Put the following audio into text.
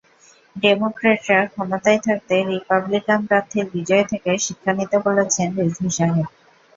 ডেমোক্র্যাটরা ক্ষমতায় থাকতে রিপাবলিকান প্রার্থীর বিজয় থেকে শিক্ষা নিতে বলেছেন রিজভী সাহেব।